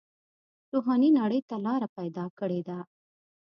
روحاني نړۍ ته لاره پیدا کړې ده.